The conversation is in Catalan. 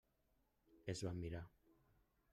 Es van mirar.